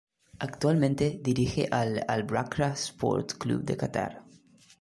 Actualmente dirige al Al-Wakrah Sport Club de Qatar.